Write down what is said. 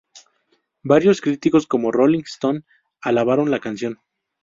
Varios críticos cómo "Rolling Stone" alabaron la canción.